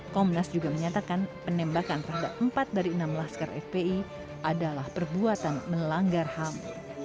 komnas juga menyatakan penembakan terhadap empat dari enam laskar fpi adalah perbuatan melanggar ham